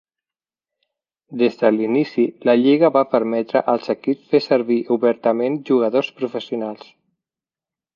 Des de l'inici, la lliga va permetre als equips fer servir obertament jugadors professionals.